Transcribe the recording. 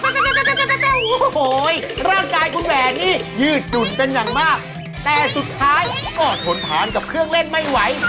โอ้โหร่างกายคุณแหวนนี่ยืดหยุ่นเป็นอย่างมากแต่สุดท้ายก็ทนทานกับเครื่องเล่นไม่ไหว